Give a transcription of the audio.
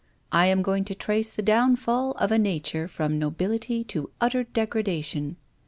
I am going to trace the downfall of a nature from nobility to utter degradation."